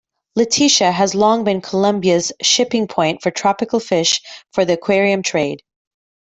Leticia has long been Colombia's shipping point for tropical fish for the aquarium trade.